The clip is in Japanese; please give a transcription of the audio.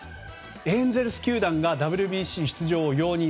エンゼルス球団がＷＢＣ出場を容認。